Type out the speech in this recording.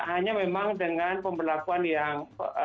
hanya memang dengan pemberlakuan yang